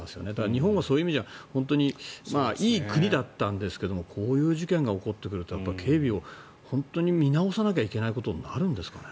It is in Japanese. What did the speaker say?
日本がそういう意味じゃいい国だったんですけどもこういう事件が起こってくると警備を本当に見直さなきゃいけないことになるんですかね。